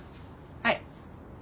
はい。